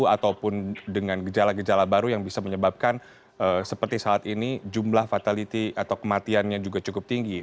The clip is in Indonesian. ataupun dengan gejala gejala baru yang bisa menyebabkan seperti saat ini jumlah fatality atau kematiannya juga cukup tinggi